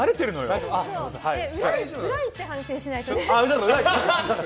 裏行って反省しないとね。